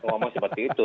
ngomong seperti itu